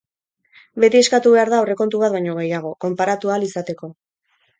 Beti eskatu behar da aurrekontu bat baino gehiago, konparatu ahal izateko.